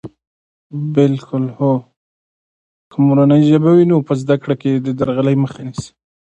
که مورنۍ ژبه وي، نو په زده کړه کې د درغلي مخه نیسي.